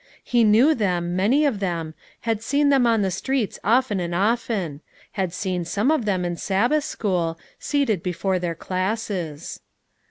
He knew them, many of them, had seen them on the streets often and often; had seen some of them in Sabbath school, seated before their classes.